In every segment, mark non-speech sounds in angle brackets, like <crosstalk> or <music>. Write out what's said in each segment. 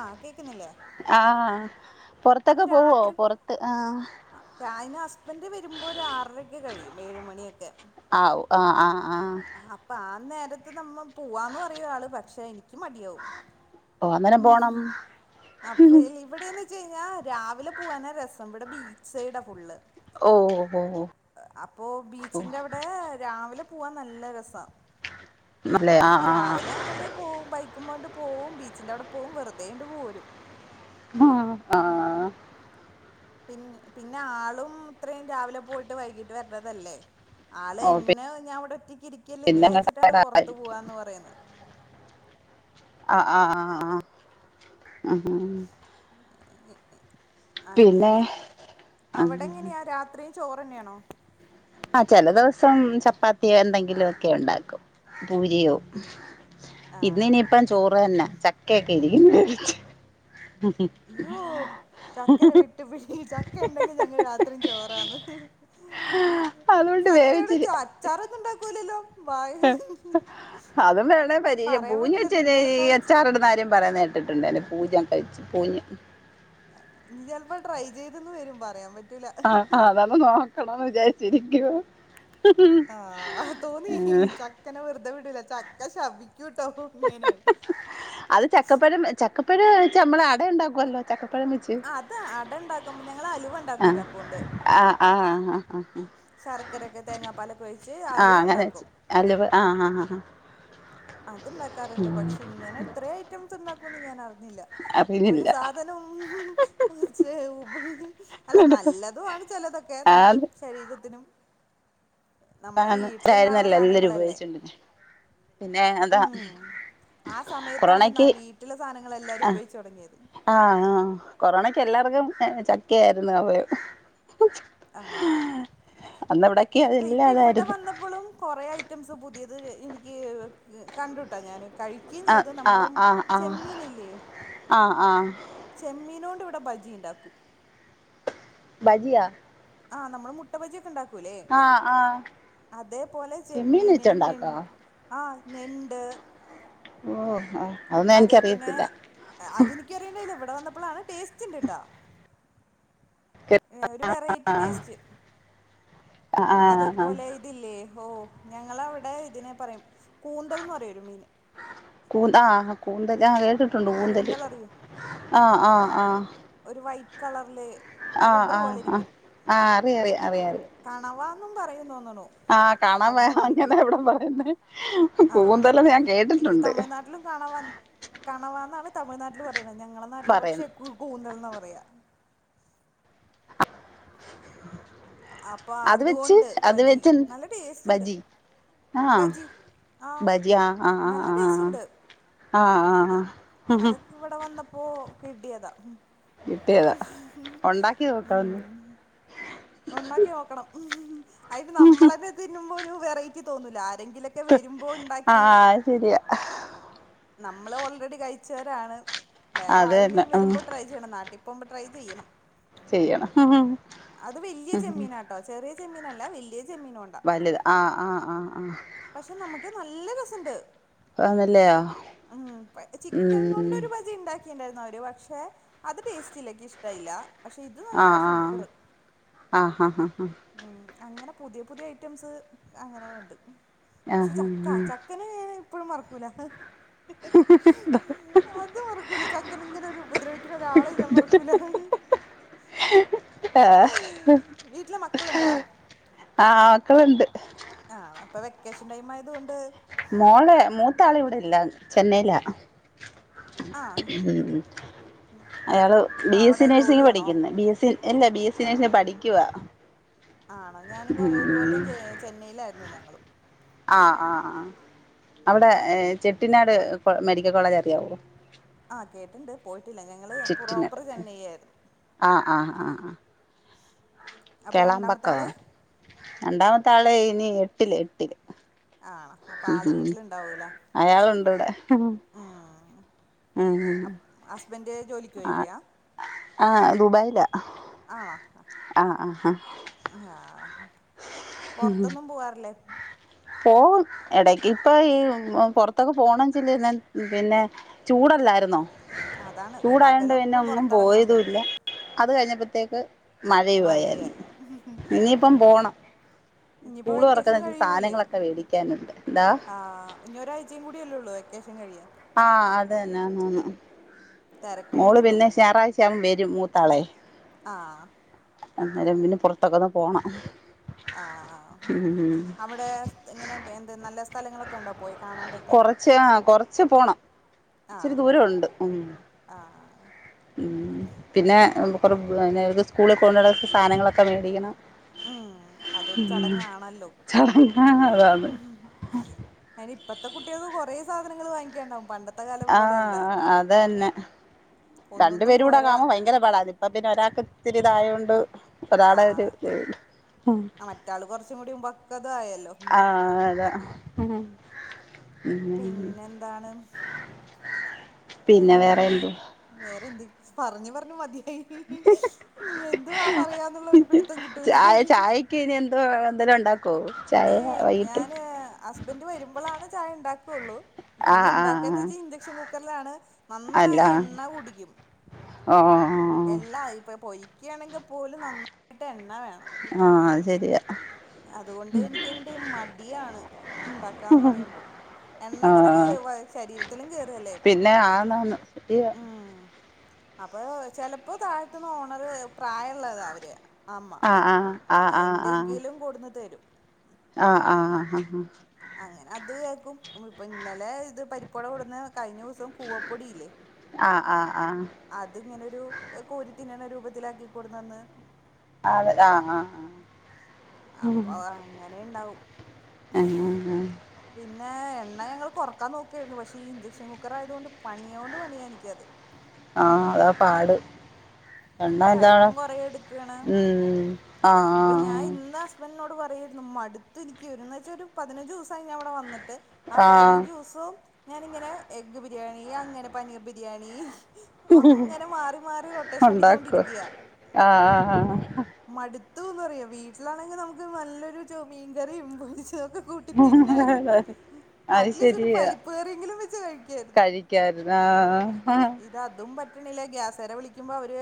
ആഹ കേക്കുന്നില്ലേ ആഹ പുൊറത്തൊക്കെ പോവോ പുറത്ത് ആഹ അന് ഹസ്ബൻഡ് വരുമ്പോ ഒരു ആറരക്കെ കഴിയും ഏഴുമണിയൊക്കെ ആഔ ആഹ ആഹ് ആഹ അപ്പം ആ നേരത്ത് നമ്മൾ പോവാന്ന് പറയുആൾ പക്ഷെ എനിക്ക് മടിയാവും ഓ അന്നേരം പോണം അപ്പ ഇവിടെന്ന് ഞാൻ രാവിലെ പോവാനാ രസം ഇവിടെ ബീച്ച് സൈഡ ഫുള്ള് ഓ ഓ ഓ അപ്പൊ ബീച്ചിന്റെ അവിടെ രാവിലെ പോവാൻ നല്ല രസ അല്ലെ അപ്പൊ ആഹ് രാവിലെ എങ്ങട്ട പോവും ബൈക്കുമ്മട്ട് പോവും ബീച്ചിന്റെ അവിടെ പോവും വെറുതെണ്ട് പോരും ആഹ ആ പിന്ന പിന്നെ ആളും ഇത്രയും രാവിലെ പോയിട്ട് വൈകീട്ട് വരണതല്ലേ ആള ഓ എന്നെ ഞാൻ ഇവിടെ ഒറ്റക്ക്ിരിക്കല്ലേന്ന് പിന്നെങ്ങ് വിചാച്ചിട്ടാണ് പുറത്തു ടയേഡായിരിക്കും പോവാന്ന് പറയുന്നത് ആ ആഹ ആ ആ ഉ പിന്നെ അങ്ങനെ അവടെ ആഹ് എങ്ങനെയാ രാത്രിയും ചോറ്ന്നെണോ ആഹ് ചെല ദിവസം ചപ്പാത്തിയോ എന്തെങ്കിലും ഒക്കെ ഉണ്ടാക്കും പൂരിയോ ഇന്ന് ആഹ് ഇനിയിപ്പം ചോറ്എന്നെ ചക്കെക്കെ ഇല്യെ <unintelligible> ഉം ഉം അയ്യോ ചക്കര വിട്ടു പിടി ചക്ക ഇണ്ടെങ്കിൽ ഞങ്ങള് രാത്രിയും ചോറാന്ന് അതുകൊണ്ട് ചക്കയുടെ ച വേവിച്ചിരി അച്ചാറാെന്നും ഇണ്ടാക്കൂലല്ലോ ഹ ഹ ഹതും വേണേ പരീക്ഷിക്കാ പറയാൻ പൂഞ്ഞ പറ്റൂല വെച്ച് അല്ലെങ്കി നിങ്ങളിപ്പോ ഈ അച്ചാർ ഇട്ന്ന കാര്യം പറയ്ന്നേട്ട്ട്ട്ണ്ടല്ലോ പൂജ ഒക്കെ വെച്ച് പൂഞ്ഞ ഉം ഇഞ്ഞ് ചെലപ്പാെ ട്രൈ ചെെത് ന്ന് വെരും പറയാംപറ്റ് ആഹ് ആഹ് അതാെന്ന് നോക്കണംന്ന് വിചാരിച്ച് ഇരിക്കുവാ ആഹ് തോന്നി ഹി ചക്കനെ വെറ്തെ വിടൂല ചക്ക ശർദ്ദിക്കൂട്ടൊ ഇങ്ങനെ അത് ചക്കപ്പഴം ചക്കപ്പഴം വെച്ച് അമ്മള് അടയിണ്ടാക്കുവല്ലോ ചക്കപ്പഴം വെച്ച് ആഹ് അത് അട ഇണ്ടാക്കുമ്പൊ ഞങ്ങള് അലുവണ് ആഹ് ആഹ് ആഹ് ആഹ് ആഹ് ആഹ് ശർക്കരയെക്കെ തേങ്ങാപ്പാലൊക്കെ ഒയിച്ച് അലുവ ഇണ്ടാക്കും അല്ലവ് ആഹ് ആഹ് ആഹ് അത് ഇണ്ടാക്കാറ്ണ്ട് പക്ഷെ ഇങ്ങനെ ഇത്രേം ഐറ്റംസ് ഇണ്ടാക്കുംന്ന് ഞാൻ അറിഞ്ഞില്ല അപ്പ ഇനില്ല തെന്നെ ഉംഹു ഹു <unintelligible> അല്ല നല്ലതും ആണ് ചെലതൊക്കെ നമുക്ക് ആന്ന് തരീരത്തിനും <unintelligible> എല്ലരും സാധനങ്ങളല്ലേ ഉപയോഗിച്ചാേണ്ടിരിന്നെ പിന്നെ അതാ ഉം ആ സമയത്താണ് ഇന്ന കൊറോണയ്ക്ക് വീട്ടിലെ സാനങ്ങള് എല്ലാരും ഉപയോഗിച്ചാെടങ്ങിയത് ആഹ് ആഹ് കൊറോണക്ക് എല്ലാർക്കും എ ചക്കേര്ന്നു ഉപയോഗം ആഹ് ആഹ് ആഹ് അല്ല ഇപ്പൊ അതെല്ലാം ഇവടെ വൻ അതായിരുന്നു വന്നപ്പളും കാെറേ ഐറ്റംസ് പുതിയത് ഇനിക്ക് കണ്ടുട്ടാ ഞാന് കഴി ആ കീൻചെയ്ത ആ നമ്മടെം ആ ആ ചെമ്മീനില്ലേ ആഹ് ചെമ്മീനോണ്ട് ഇവടെ ബജി ഇണ്ടാക്കും ബജിയാ ആഹ് നമ്മള് മുട്ട ബജിയെക്കെ ഇണ്ടാക്കൂലേ ആഹ് ആഹ് അതെപോലെ ചെമ്മീൻ ചെമ്മീന് ഞെൺ വെച്ചുണ്ടാക്കോ ആഹ് ഞെണ്ട് ഓഹ് ആഹ് അതേ പിന്നെ അതെനിക്ക അറിയണ്ടായില്ല ഇവിടെ വന്നപ്പോളാണ് ടേസ്റ്റണ്ട് ട്ടാ ഒരു വെറൈറ്റി ടേസ്റ്റ് ആഹ് ആഹ് ആഹ് അതേപോലെ ഇ ഇതില്ലേ ഓഹ് ഞങ്ങളവിടെ ഇതിനെ പറയും കൂന്തൽ എന്ന് പറയ ഒരു മീൻ കൂന്ത ആഹ് കൂന്തല് ആഹ് കേട്ടിട്ടുണ്ട് കൂന്തല് കൂന്തൽ അറിയോ ആഹ് ആഹ് ആഹ് ഒരു വൈറ്റ് കളറിലെ ആഹ് റബ്ബർ ആഹ് പോലെ ആഹ് ഇരിക്കും ആഹ് അറിയറിയ അറിയറിയ കണവാന്നും പറയ തോന്നണു. ആഹ് കണ അറിഞ്ഞൂടാ വരാഞ്ഞ എനിക്ക് ന്ന ഇവടെ വരന്നെ കൂന്തല് ഞാൻ കേട്ടിട്ടുണ്ട്. കാണ കാണവാന്നാണ് തമിഴ്നാട്ടിൽ പറയ്ണേ ഞങ്ങളെ നാട്ടില് പക്ഷെ പറയുന്നെ കു കൂന്തൽ എന്നാ പറയാ. ആഹ് അത് വെച്ച് അത് ബജി വെച്ച് നല്ല ടേസ്റ്റ് ഉണ്ട് ബജി ആഹ് ബജി ആഹ് ഭജിയ ആഹ് ആഹ് നല്ല ആഹ് ടേസ്റ്റ് ഉണ്ട് ആഹ് ആഹ് ആഹ് ആഹ് അതൊക്കെ ഇവടെ വന്നപ്പോ കിട്ടിയതാ. കിട്ടിയതാ മ്മ്ഹ് ഉണ്ടാക്കി നോക്കാന്ന് ഒണ്ടാക്കി നോക്കണം മ്മ് അയിന് നമ്മളന്നെ തിന്നുമ്പോ ഒരു വെറൈറ്റി തോന്നൂല ആരെങ്കിലൊ ഒക്കെ വരുമ്പോ ഉണ്ടാക്കി ആഹ് അത് ശരിയാ നമ്മള് ഓൾറെഡി കഴിച്ചവരാണ് വേറെ അത് തന്നെ ആരെങ്കിലും ഉം വരുമ്പോ ട്രൈ ചെയ്യണം നാട്ടി പോകുമ്പോ ട്രൈ ചെയ്യണം ചെയ്യണം അത് വലിയ ചെമ്മീന ട്ടൊ ചെറിയ ചെമ്മീനല്ല വല്യ ചെമ്മീനൊ--ണ്ട് വല്ത് ആഹ് ആഹ് ആഹ് ആഹ് പക്ഷെ നമുക്ക് നല്ല രസുണ്ട് ആണ് ല്ലേ ഉം ചിക്കൻ കൊണ്ടൊരു ബജി ഇണ്ടാ ണ്ടായിരുന്നു അവര് പക്ഷെ അത് ടേസ്റ്റ്ല്ല ഇക്ക് ഇഷ്ടായില്ല പക്ഷെ ഇത് നല്ല ആഹ് സൂപ്പറ് ആഹ് ആഹ് ആഹ് ഉം അങ്ങനെ പുത്യെ പുത്യെ ഐറ്റംസ് അങ്ങനെ ഇണ്ട് പഷെ ആഹ് ചക്ക ച ആഹ് അങ്ങനേ ഇപ്പളും മറ്ക്കൂല അത് മറക്കൂല ചക്കന ഇങ്ങനൊര് ഉപദ്രവിക്ക്ണ ഒരാളെ ഞാൻ മറക്കൂല ആഹ് വീട്ടില് മക്കളുണ്ടാ ആഹ് മക്കള്ണ്ട് ആഹ് അപ്പ വെക്കേഷൻ ടൈമായത് കൊണ്ട് മോള് മൂത്താള് ഇവടെ ഇല്ല ചെന്നയ്ലാ ആഹ് ഉം ഉം അയാള് ബീ എസ്സി അവിടെ നേഴ്സിംഗ ജോലിയാണോ പഠിക്കുന്ന ബി എസ് സ ഇല്ല ബി എസ് സി നഴ്സിംഗ പഠിക്കുവാ ആണൊ ഞാനും ഉം കൊറേ ഒര് കൊല്ലം ഉം ചേ ചെന്നയ്ലായിരുന്നു ഞങ്ങളും ആഹ് ആഹ് ആഹ് അവടെ ഏഹ് ചെട്ടിനാട് മെഡിക്ക കോളേജ് അറിയാവൊ ആഹ്കേട്ട്ണ്ട് പോയിട്ടില്ല ഞങ്ങള് ചെട്ടിനാട് പ്രോപ്പറ് ചെന്നയ്യായിരുന്നു ആഹ് ആഹ് ആഹ് ആഹ് അപ്പൊ രണ്ടാമത്തെ കെളമ്പക്ക ആള് രണ്ടാമത്തെ ആള് ഇനി എട്ട്ല് എട്ട്ല് ആഹ് അപ്പ ആള് വീട്ടില്ണ്ടാവൂലെ അയാളുണ്ട് ഉം ഉം ഹസ്ബന്റ് ജോലിക്ക് ആഹ് പെയ്ക്ക്യാ ആഹ് ദുബയ്ല ആണൊ. ആഹ് പൊറ്ത്തൊന്നും പൂവാറില്ലെ പോവും എടക്ക് ഇപ്പൊ ഈ ഉം പൊറ്ത്തൊക്കെ പോണം ചല്ല് ഞാൻപിന്നെ ചൂടല്ലായിര്ന്നൊ. അതാണ് ചൂടായോണ്ട് പിന്നെ പകലൊന്നും ഒന്നും പൊറത്തിറങ്ങാൻ പോയതൂല്ല പറ്റൂല അത് കഴിഞ്ഞപ്പത്തേക്ക് മഴയു ആയാർന്നു മഴയായി ഇഞിപ്പം പോണം ഇനിയിപ്പോ സ്കൂള് വെക്കേഷൻ തൊറക്ക്ന്ന കഴിയൂലേ സാനങ്ങളൊക്ക വേടിക്കാന്ണ്ട് ആഹ് ഇഞ്ഞൊരാഴ്ചീം കൂടി അല്ലൊള്ളു വെക്കേഷൻ കഴിയാൻ ആഹ് അത് എന്നെ ആഹ് ആഹ് തിരക്കും മോള് കൂടും പിന്നെ ശാറാഴ്ച ആവും വരും മൂത്താളെ ആഹ് അന്നെരം പിന്നെ പൊറത്തൊക്കൊന്ന് പോണം ആഹ് ഉം അവടേ സ് ഇങ്ങനെ വേന്ത് നല്ല സ്ഥലങ്ങളൊക്കണ്ടൊ പോയി കാണാൻ പറ്റിയ കൊറച്ച് ആഹ് കൊറച്ച് പോണം ഇച്ചിരി ആഹ് ദൂര ഉണ്ട് ഉം ആഹ് ഉം പിന്നെ കൊറെ പ് സ്കൂളി കൊണ്ടോണ സാധനങ്ങളൊക്ക വേടിക്കണം ഉം അതൊരു ചടങ്ങാണല്ലോ മ്മ് ഹ് <unintelligible> അയിന് ഇപ്പത്തെ കുട്ടീൾക്ക് കൊറേ സാധനങ്ങള് വാങ്ങിക്കണ്ടാവും പണ്ടത്തെ കാലം പോലെയല്ല ആഹ് അതന്നെ രണ്ട് ഒന്നൊന്നും പേരൂടെ പോരാ അങ്ങാവുമ്പ ഭയങ്കര പാട അപ്പ പിന്നെ ഒരാക്ക് ഇത്തിരി ഇതായോണ്ട് ഒരാളെ ഒര് ആഹ് മറ്റാള് കൊറച്ചും കൂടി പക്ക്യത ആയല്ലൊ ആഹ് അത ഉം പിന്നെന്താണ് പിന്നെ വേറെ എന്തൊ വേറെന്ത് പറഞ് പറഞ് മതി എന്തുവ പറയാന്നുള്ള ഒരുപിടിത്തം കിട്ടൂല ക്കിനി എന്തൊ എന്തെലും ഉണ്ടാക്കൊ ഏയ് ഞാന് ഹസ്ബന്റ് വരുമ്പളാണ് ചായ ഉണ്ടാക്കൊള്ളു പിന്നെ ആഹ് ആഹ് ഇണ്ടാക്കന്ന് ആഹ് വെച്ച ഇൻഡക്ഷൻ കുക്കറ്ലാണ് നന്നായി എണ്ണ ഉടിക്കും ആഹ് എല്ലാ ഇപ്പൊ പൊരിക്ക്യാണെങ്കിപ്പോലും നന്നായിട്ട് എണ്ണ വേണം ആഹ് അത് ശെരിയാ അതുകൊണ്ട് എനിക്ക് അങ്ങട്ട് മടിയാണ് ഇണ്ടാക്കാന്ന് പറയുമ്പോ എണ്ണ ആ ങ്ങനെ കേ വ ശരീരത്തിലും കേറല്ലേ പിന്നെ ആണ് അന സ <unintelligible> ഉം അപ്പൊ ചെലപ്പോ താഴത്തന്ന് ഓണറ് പ്രായള്ളതാ അവര് അമ്മ ആ ആ ആ ആ എന്തെങ്കിലും കൊടുന്ന് തരും ആഹ് ആഹ് ആഹ് ആഹ് അങ്ങനെ അത് കേക്കും ഇപ്പൊ ഇന്നലെ ഇത് പരിപ്പ് വട കൊടന്ന് കഴിഞ്ഞ ദിസം കൂവപ്പൊടിയില്ലേ ആഹ് ആഹ് ആഹ് അത് ഇങ്ങനെരു കോരിത്തിന്നണ രൂപത്തിലാക്കിക്കൊടുന്നന്ന് അതെ ആഹ് ആഹ് ആഹ് അപ്പൊ അങ്ങനെ ഇണ്ടാവും ഏഹ് ആഹ് പിന്നെ എണ്ണ ഞങ്ങള് കൊറക്കാൻ നോക്കായിരുന്നു പക്ഷെ ഈ ഇൻചക്ഷൻ കുക്കർ ആയതോണ്ട് പണിയൊണ്ട് പണിയാ എനിക്കത് ആഹ് അതാ പാട് എണ്ണ ഇതാണ് ടൈമും കൊറേ എടുക്കാണ് ഉം ആഹ് അപ്പൊ ഞാൻ ഇന്ന് ഹസ്ബൻന്റിനോട് പറയരുന്നു മടുത്ത് എനിക്ക് എന്ന് വെച്ചാ ഒരു പതിനഞ്ചു ദിവസായി ഞാൻ ഇവിടെ വന്നിട്ട് ആഹ് ആ പതിനഞ്ച് ദിവസോം ഞാനിങ്ങനെ എഗ്ഗ് ബിരിയാണി അങ്ങനെ പനീർ ബിരിയാണി അങ്ങനെ മാറി മാറി റൊട്ടേഷൻ ഉണ്ടാക്കും അടിച്ചൊണ്ടിരിക്ക്യ ആ മടുത്തുന്ന് പറയാ വീട്ടിലാണെങ്കി നമ്മക്ക് നല്ലൊരു ചൊ മീൻ കറീം പൊരിച്ചതൊക്കെ കൂട്ടി തിന്നായിരുന്നു അത് അറ്റ്ലീസ്റ്റ് ഒരു ശരിയാ പരിപ്പ് കറിയെങ്കിലും വെച്ച് കഴിക്കായിരുന്നു കേരള ആഹ് ഇതതും പറ്റണില്ല ഗ്യാസാരെ വിളിക്കുമ്പോ അവര്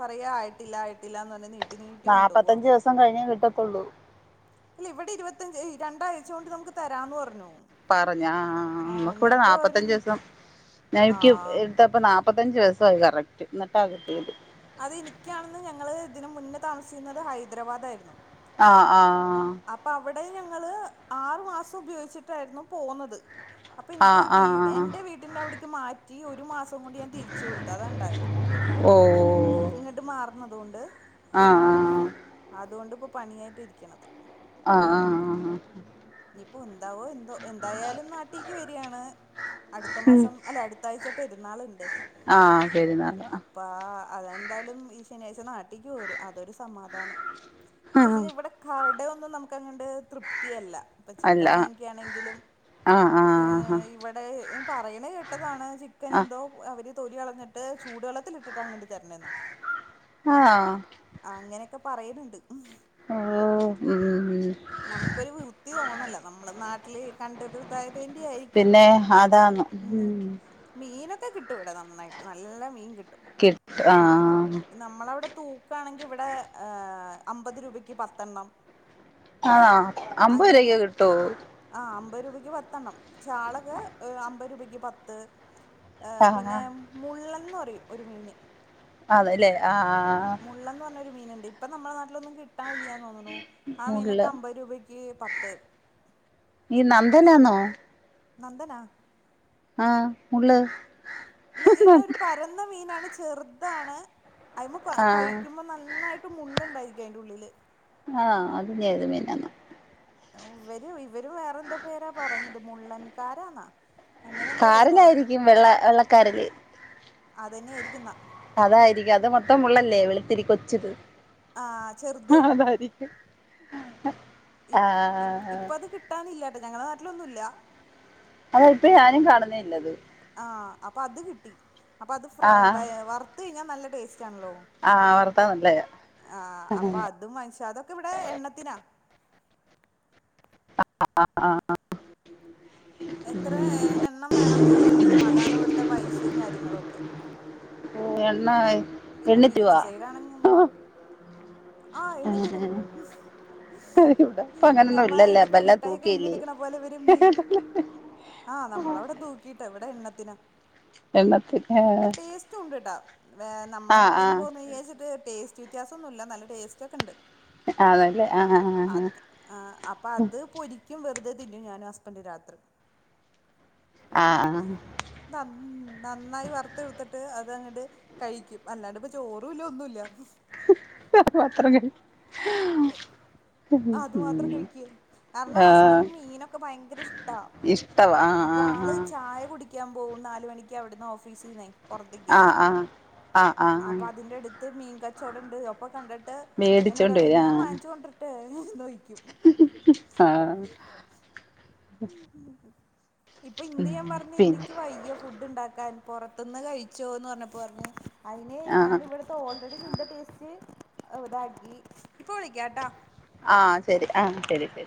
പറയ ആയിട്ടില്ല ആയിട്ടില്ല ന്ന് പറഞ്ഞ് നീട്ടി നീട്ടി കൊണ്ടുപോവാ മുപ്പത്തഞ്ച് ദിവസം കഴിഞ്ഞേ കിട്ടത്തുള്ളൂ ല്ല ഇവിടെ ഇരുപത്തഞ്ച് രണ്ടാഴ്ച കൊണ്ട് നമുക്ക് തരാന്ന് പറഞ്ഞു പറഞ്ഞു ആഹ് നമ്മക്കിവിടെ എന്നിട്ടും അവര് നാല്പത്തഞ്ചു ദിവസം ഞ എനിക്ക് ആഹ് ത്തപ്പോ നാൽപ്പത്തഞ്ച് ദിവസായി കറക്റ്റ് എന്നിട്ടാ കിട്ടിയത് അത് ഇനിക്കാണെന്ന് ഞങ്ങള് ഇതിനു മുന്നേ താമസിച്ചെന്നത് ഹൈദരാബാദയിരുന്നു ആഹ് ആഹ് അപ്പവിടെ ഞങ്ങള് ആറു മാസം ഉപയോഗിച്ചിട്ടായിരുന്നു പോന്നത് അപ്പനിക്ക് ആ ആ വീ എൻ്റെ വീട്ടിൻ്റെ അവിടക്ക് മാറ്റി ഒരു മാസം കൊണ്ട് ഞാൻ തിരിച്ചു കൊടുത്തു അതാ ണ്ടായത് ഓഹ് ങ്ങട്ട് മാറണതുകൊണ്ട് ആഹ് ആഹ് അതുകൊണ്ടിപ്പോ പണിയായിട്ട് ഇരിക്കണത് ആഹ് ആഹ് ഇഞ്ഞിപ്പോ എന്താവോ എന്തോ എന്തായാലും നാട്ടീക്ക് വരിയാണ് അടുത്ത മാസം അല്ല അടുത്താഴ്ച പെരുന്നാള്ണ്ട് ആഹ് പെരുന്നാള് ആഹ് അപ്പ അതെന്തായാലും ഈ ശനിയാഴ്ച നാട്ടിക്ക് പോരും അതൊരു സമാധാനം ന്ന് വെച്ചയിഞ്ഞാൽ ഇവിടെ കട ഒന്നും നമുക്ക്ങ്ങട് തൃപ്തിയല്ല ഇപ്പൊ അല്ല ചിക്കൻ വാങ്ങിയ്ക്കാണെങ്കിലും. ആ ആ ഇവിടെ പറയണ കേട്ടതാണ് ആ ചിക്കനെന്തോ അവര് തൊലി കളഞ്ഞിട്ട് ചൂടുവെള്ളത്തിലിട്ടിട്ടെങ്ങാണ്ട് തരണെന്നാണ് <inaudible> ആഹ്. അങ്ങനെക്കെ പറയിണിണ്ട് ഉം ഓഹ് ഉം നമുക്കൊരു വൃത്തി തോന്നില്ല നമ്മള് നാട്ടില് കണ്ടരുതായ വേ ണ്ടി ആയിരിക്കാം പിന്നെ അതാന്ന് ഉം മീനൊക്കെ കിട്ടും ഇവി ടെ നന്നായിട്ട് നല്ല മീൻ കിട്ടും കിട്ട്ആ നമ്മളവിടെ തൂക്കണെങ്കിൽ ഇവിടെ അമ്പത് രൂപയ്ക്ക് പത്തെണ്ണം ആ അമ്പത് രൂപയ്ക്കു കിട്ടോ ആ അമ്പത് രൂപയ്ക്ക് പത്തെ ണ്ണം ചാളക അമ്പത് രൂപയ്ക്ക് പത്ത് ആ പിന്നെ മുള്ളൻ ന്ന് പറയും ഒരു മീന് അതെല്ലേ ആആ മു ള്ളന്ന് പറഞ്ഞൊരു മീനണ്ട് ഇപ്പ നമ്മടെ നട്ടിലൊന്നുകി ട്ടില്ല ആ മീനൊക്കെ മുള്ള് അമ്പത് രൂപക്ക് പത്ത് ഈ നന്ദു നാെന്നോ നന്ദനാ ആഹ് മു ള്ള് എ ന്ന് വെച്ച കഴിഞ്ഞാൽ ഒരു പരന്ന മീനാണ് ചെറുതാണ് അയിന് ആ കഴിക്കുമ്പോൾ നന്നായിട്ട് മള്ണ്ടായിരിക്കും അതിൻ്റെ ഉള്ളിൽ ആഹ അത്ഞത് മി നാ ഇവര് ഇവര വേറെ എന്തോ പേരാ പറഞ്ഞത് മുള്ളൻകാരാന്നാ അങ്ങനെ എന്തോ പേരാ കാരാനാ പറഞ്ഞെ യിരിക്കും വെള്ള വെള്ളക്കരില് അതന്നെ ആയിരിക്കുന്നാ അതായിരിക്കും അത് മൊത്തം മു ള്ളല്ലേ വെളുത്തിരിക്ക കൊച്ചത്ആ ആഹ് ചെറുത് ഹ അതായിരിക്കും ആഹ കിട്ടാനില്ലട്ടോ ഞ ങ്ങള നാട്ടിലൊന്നുമല്ല അതാ ഇപ്പൊ ഞാനും കാണുന്നേല്ലത് ആ അപ്പൊ അത് കിട്ടി അപ്പ അത് ഫ്ര ആഹ് വറുത്ത കഴിഞ്ഞാൽ നല്ല ടേസ്റ്റ് ആണല്ലോ ആഹ് വറുത്താ നല്ലയാ ആ അപ്പൊ അതും വാങ്ങിച് അതൊക്കെ ഇവിടെ എണ്ണത്തിനാ ആ ആഹ എത്ര എണ്ണം വേണം എന്ന്ചോ ദിക്കും അതാണ് ഇവിടുത്തെ പൈസയും കാര്യങ്ങളൊക്കെ എണ്ണയ് പിന്നെ ബീച്ച് സൈഡ ആണെങ്കമ്മില് ആഹ എണി തരും ഇവിടെ ഇപ്പ അങ്ങനൊന്നും നമ്മ ഇല്ലല്ലേ ഇപ്പ ഇതൊക്കെ എല്ലാം മിഠായിൊക്കെ എണ്ണി തൂക്കിയില്ലേ എടുക്കണ പോലെ ഇ വരും മീൻ ആഹ നമ്മളവിടെ തൂക്കിട്ട് ഇ വിടെ എണ്ണത്തിന് എണത്തിന് ഹേ ടെസ്റ്റുംണ്ട് ട്ടോ നമ്മ നാട്ടിൽന്ന് പോ ആഹ് ടേസ്റ്റ് വ്യത്യാസ ഒന്നുമല്ല നല്ല ടേസ്റ്റ് ഒക്കെ ഉണ്ട് ആണ ല്ലെ ആ അപ്പം അത് പൊ രിക്കും വെറുതെ തിന്നു ഞാനൻ ഹസ്ബൻഡ് രാത്രി ആഹ ആഹ് നന്നായി വറുത്തെടുത്തിട്ട് അത്ങ്ങട്ട് കഴിക്കും അല്ലാണ്ട് ഇപ്പ ചോറും ല്ല ഒന്നുമല്ല ങ്ങ പത്രം കയിക അതുമാത്രം കഴിക്കെ അമ്മ ആഹ് ഹസ്ബൻഡിന് മീനൊക്കെ ഭയങ്കര ഇഷ്ടാ ഇഷ്ടവാ ആഹ് അപ്പൊ ആഹ് ആള് ആഹ് ചായ കുടിക്ക ക്കാൻ പോകും നാല് മണിക്ക് അവിടുന്ന് ഓഫീസിൽ നി പുറത്തേക്ക ആഹ് അവര് ആഹ് ആഹ് ആഹ് അപ്പൊ അതിന്റെ അടുത്ത് മീൻ കച്ചവട ഉണ്ട് അപ്പൊ കണ്ടി് ണ്ട് മേടിച്ചോണ്ട് എന്നോട്പറയും ഞാൻ വരും വാങ്ങിച്ച കൊണ്ടര ട്ടേ ചോ യിക്കും ആഹ് ഉം ഇപ്പൊ ഇന്ന് ഉം ഞാൻ പറഞ്ഞു പിന്നെ ഇന്നക്ക് വയ്യ ഫുഡ് ഉണ്ടാക്കാൻ പുറത്തുന്ന് കഴിച്ചോന്ന് പറഞ്ഞപ്പോ പറഞ്ഞത് അതിന് ആഹ് ഞാനിവിടെ ഇപ്പൊ ഓൾറെഡി നന്റെ ടേസ്റ്റ് ഇതാക്കി ഇപ്പൊ വിളിക്കട്ടോ ആഹ് ശരി ആഹ് ശരി